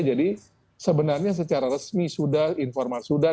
jadi sebenarnya secara resmi sudah informal sudah